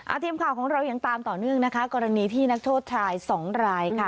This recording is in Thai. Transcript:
ทีมข่าวของเรายังตามต่อเนื่องนะคะกรณีที่นักโทษชายสองรายค่ะ